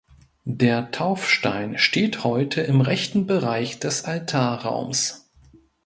Der Taufstein steht heute im rechten Bereich des Altarraums.